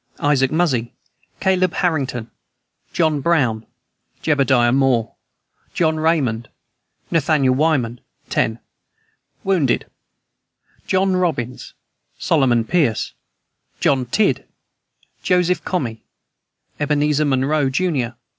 Isaac Muzzy, Caleb Harrington, John Brown, Jedediah Moore, John Raymond, Nathaniel Wyman, 10. Wounded: John Robbins, Solomon Pierce, John Tidd, Joseph Comee, Ebenezer Monroe, jr.